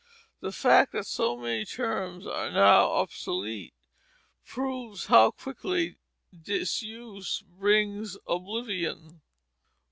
The fact that so many terms are now obsolete proves how quickly disuse brings oblivion.